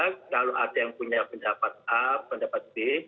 kalau ada yang punya pendapat a pendapat b